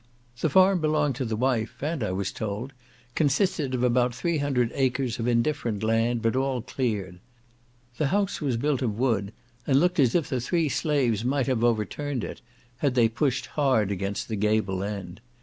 The farm belonged to the wife, and, I was told, consisted of about three hundred acres of indifferent land, but all cleared. The house was built of wood, and looked as if the three slaves might have overturned it, had they pushed hard against the gable end.